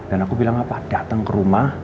dan aku bilang apa dateng ke rumah